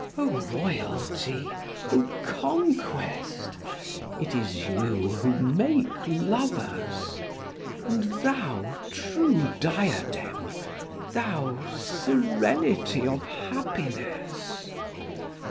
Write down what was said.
O royalty! O conquest! It is you who make lovers. And thou, true diadem, thou, serenity of happiness!